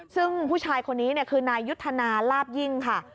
ซึ่งผู้ชายคนนี้คือนายยุทธนาลาบยิ่งค่ะ